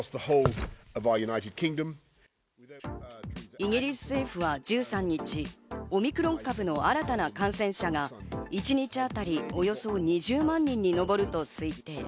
イギリス政府は１３日、オミクロン株の新たな感染者が一日当たりおよそ２０万人に上ると推定。